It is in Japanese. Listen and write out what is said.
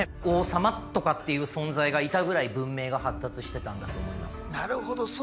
王様とかっていう存在がいたぐらい文明が発達してたんだと思います。